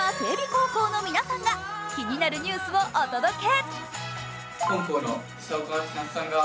高校の皆さんが気になるニュースをお届け。